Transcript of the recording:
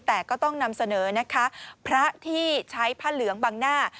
แต่ก็ต้องนำเสนอนะคะพระที่ใช้ผ้าเหลืองบังหน้า